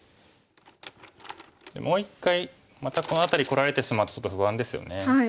もう一回またこの辺りこられてしまうとちょっと不安ですよね。